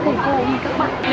gó ép mình quá nhiều